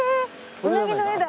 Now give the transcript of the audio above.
うなぎの絵だ」